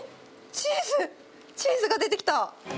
チーズ、チーズが出てきた。